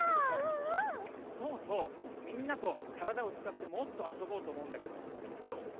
そうそうみんなとからだをつかってもっとあそぼうとおもうんだけどどう？